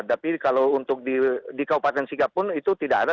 tapi kalau untuk di kabupaten sikapun itu tidak ada